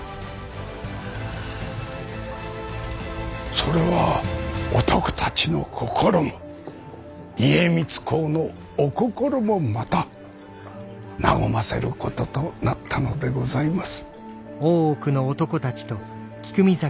それは男たちの心も家光公のお心もまた和ませることとなったのでございます。